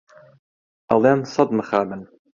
ئەڵێم سەد مخابن